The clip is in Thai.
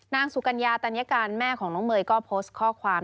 นางสุกัญญาตัญญาการแม่ของน้องเมย์ก็โพสต์ข้อความ